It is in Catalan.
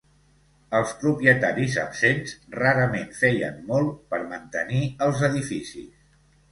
Els propietaris absents rarament feien molt per mantenir els edificis.